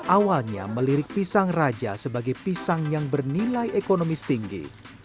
awalnya melirik pisang raja sebagai pisang yang bernilai ekonomis tinggi